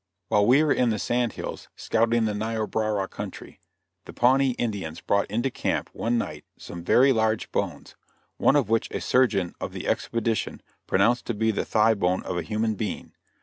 While we were in the sand hills, scouting the Niobrara country, the Pawnee Indians brought into camp, one night, some very large bones, one of which a surgeon of the expedition pronounced to be the thigh bone of a human being.